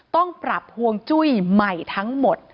ต้องปรับฮวงจุ้ยใหม่ทั้งหมด